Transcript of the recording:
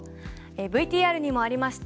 ＶＴＲにもありました